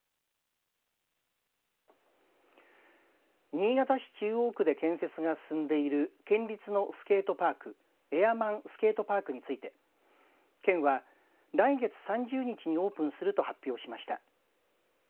新潟市中央区で建設が進んでいる県立のスケートパークＡＩＲＭＡＮスケートパークについて県は来月３０日にオープンすると発表しました。